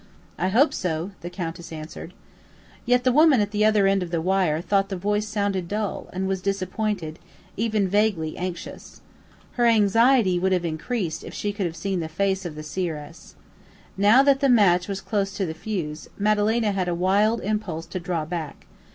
"I hope so," the Countess answered. Yet the woman at the other end of the wire thought the voice sounded dull, and was disappointed, even vaguely anxious. Her anxiety would have increased if she could have seen the face of the seeress. Now that the match was close to the fuse, Madalena had a wild impulse to draw back.